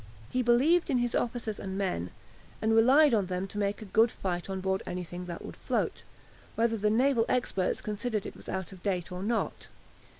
He believed in his officers and men, and relied on them to make a good fight on board anything that would float, whether the naval experts considered it was out of date or not.